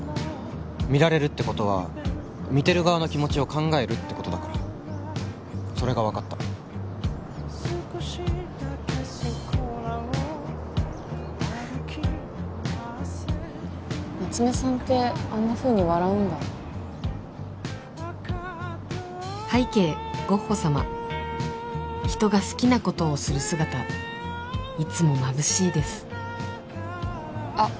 見られるってことは見てる側の気持ちを考えるってことだからそれが分かった夏目さんってあんなふうに笑うんだ拝啓ゴッホ様人が好きなことをする姿いつもまぶしいですあっ